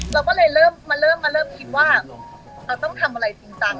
เราก็เลยมาเริ่มคิดว่าเราต้องทำอะไรจริงจัง